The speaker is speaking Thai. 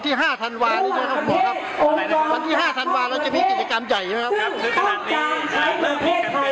ที่เป็นเรื่องของจดยุทธศาสตร์ในการยงจันทร์จันทร์กันเพื่อกว่าเที่ยวของใคร